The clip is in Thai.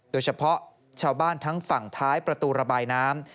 โดยเฉพาะชาวบ้านทั้งฝั่งท้ายประตูระบายน้ำ